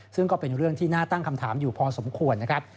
ซึ่งก็เป็นเรื่องที่น่าตั้งคำถามอยู่พอสมควรนะครับ